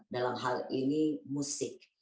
dalam hal ini musik